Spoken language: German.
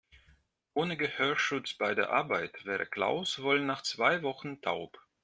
Ohne Gehörschutz bei der Arbeit wäre Klaus wohl nach zwei Wochen taub.